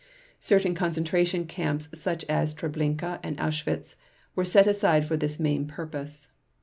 Certain concentration camps such as Treblinka and Auschwitz were set aside for this main purpose.